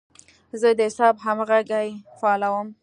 زه د حساب همغږي فعالوم.